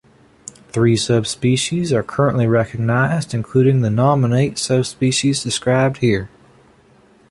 Three subspecies are currently recognized, including the nominate subspecies described here.